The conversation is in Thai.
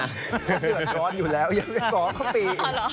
เดือดร้อนอยู่แล้วยังไปขอเขาตี